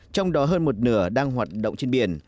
trong đó hơn một nửa đang hoạt động trên biển